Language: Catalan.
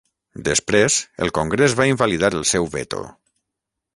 Després el Congrés va invalidar el seu veto.